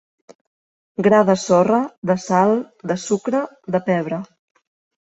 Gra de sorra, de sal, de sucre, de pebre.